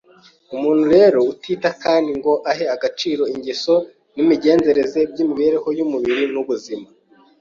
Umuntu rero utita kandi ngo ahe agaciro ingeso n’imigenzereze by’imibereho y’umubiri n’ubuzima